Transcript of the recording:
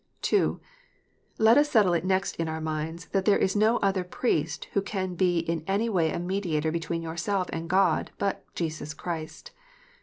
(2) Let us settle it next in our minds that there is no other priest who can be in any way a Mediator between yourself and God but Jesus Christ.